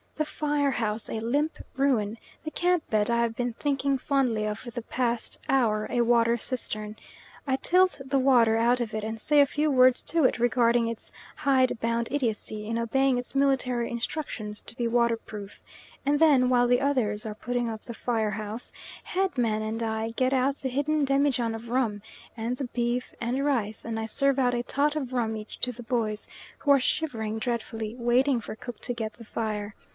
The fire house a limp ruin, the camp bed I have been thinking fondly of for the past hour a water cistern. I tilt the water out of it, and say a few words to it regarding its hide bound idiocy in obeying its military instructions to be waterproof; and then, while the others are putting up the fire house, Head man and I get out the hidden demijohn of rum, and the beef and rice, and I serve out a tot of rum each to the boys, who are shivering dreadfully, waiting for Cook to get the fire.